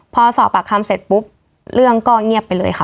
พอสอบปากคำเสร็จปุ๊บเรื่องก็เงียบไปเลยค่ะ